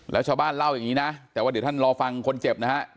แล้วชาวบ้านเล่าอย่างนี้นะแต่ว่าเดี๋ยวท่านรอฟังคนเจ็บนะฮะ